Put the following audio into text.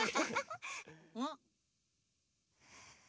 うん？